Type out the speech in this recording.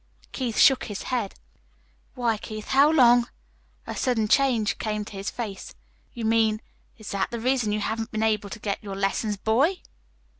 Keith shook his head. "Why, Keith, how long " A sudden change came to his face. "You mean is that the reason you haven't been able to get your lessons, boy?"